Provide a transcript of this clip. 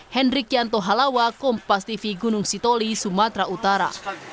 hendrik yanto halawa kompas tv gunung sitoli sumatera utara